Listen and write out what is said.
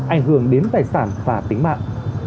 ảnh hưởng đến tài sản và tính mạng